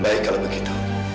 baik kalau begitu